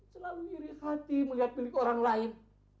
selalu mirip hati melihat milik orang lain